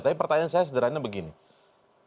tapi pertanyaan saya sederhana begini